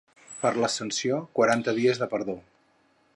Per l'Ascensió, quaranta dies de perdó.